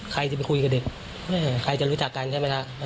ใครจะไปคุยกับเด็กใครจะรู้จักกันใช่ไหมฮะ